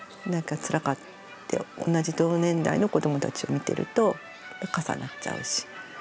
同じ同年代の子どもたちを見てると重なっちゃうし。